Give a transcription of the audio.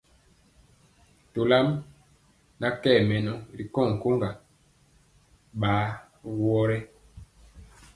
Tolam na nkye mɛnɔ ri nkoŋga ɓa awɔ rɛ.